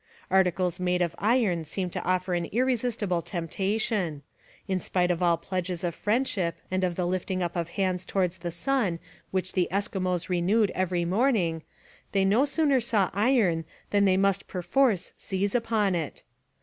Articles made of iron seemed to offer an irresistible temptation: in spite of all pledges of friendship and of the lifting up of hands towards the sun which the Eskimos renewed every morning, they no sooner saw iron than they must perforce seize upon it.